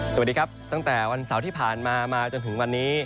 สวัสดีครับตั้งแต่วันเสาร์ที่ผ่านมามาจนถึงวันนี้